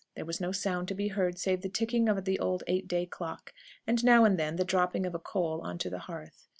There was no sound to be heard save the ticking of the old eight day clock, and, now and then, the dropping of a coal on to the hearth.